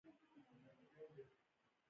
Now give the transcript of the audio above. تایمني قبیله اوس په غور کښي اوسېږي.